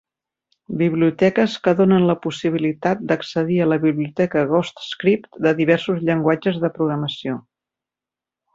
Biblioteques que donen la possibilitat d'accedir a la biblioteca Ghostscript de diversos llenguatges de programació.